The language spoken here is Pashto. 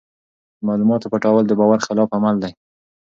د معلوماتو پټول د باور خلاف عمل دی.